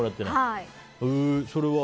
それは？